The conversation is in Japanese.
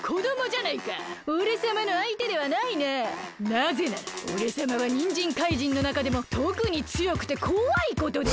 なぜならおれさまはにんじんかいじんのなかでもとくにつよくてこわいことで。